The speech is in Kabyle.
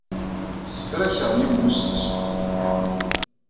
Ssefrakeɣ yiwen n usensu.